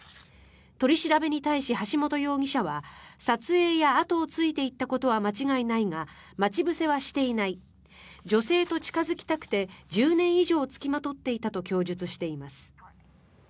取り調べに対し、橋本容疑者は撮影や後をついていったことは間違いないが待ち伏せはしていない女性と近付きたくて１０年以上付きまとっていたと供述しています。